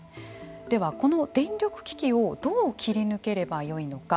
では、この電力危機をどう切り抜ければよいのか。